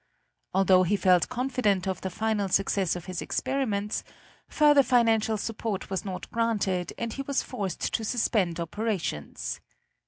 Although he felt confident of the final success of his experiments, further financial support was not granted and he was forced to suspend operations.